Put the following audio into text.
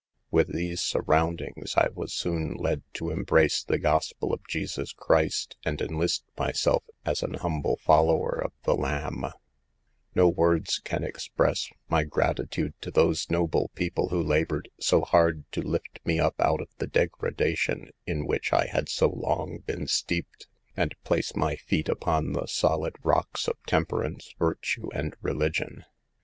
With these surroundings, I was soon led to embrace the Gospel of Jesus Christ, and enlist myself as an humble follower of the Lamb. No words can express my gratitude to those noble people who labored so hard to lift me up out of the degradation in which I had so long been steeped, and place my feet upon the solid * lt The Converted Gambler," by MasonLong. 236 SAVE THE GIRLS. rocks of temperance, virtue and religion.